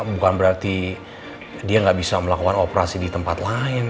bukan berarti dia nggak bisa melakukan operasi di tempat lain